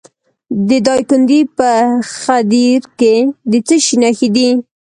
د دایکنډي په خدیر کې د څه شي نښې دي؟